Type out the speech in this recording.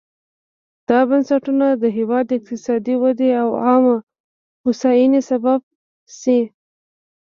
دا بنسټونه د هېواد اقتصادي ودې او عامه هوساینې سبب شي.